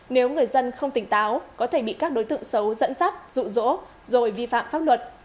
nếu người dân không tỉnh táo có thể bị các đối tượng xấu dẫn dắt rụ rỗ rồi vi phạm pháp luật